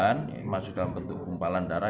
yang masih dalam bentuk kumpalan darah